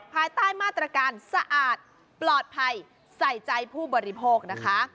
ภายใต้มาตรการสะอาดปลอดภัยใส่ใจผู้บริโภคนะคะ